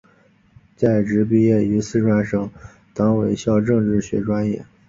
在职毕业于四川省委党校政治学专业。